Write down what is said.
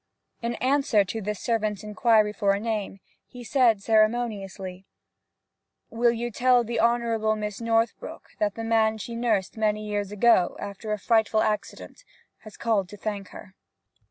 In answer to the servant's inquiry for his name, he said ceremoniously, 'Will you tell The Honourable Mrs. Northbrook that the man she nursed many years ago, after a frightful accident, has called to thank her?'